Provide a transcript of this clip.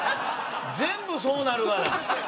全部そうなるわ。